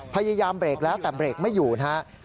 พยายามเบรกแล้วแต่เบรกไม่อยู่นะครับ